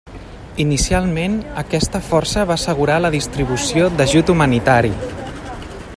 Inicialment aquesta força va assegurar la distribució d'ajut humanitari.